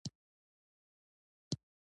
افغانستان د خپلو زردالو له امله شهرت لري.